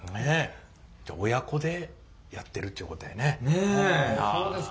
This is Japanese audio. じゃあ親子でやってるっていうことやね。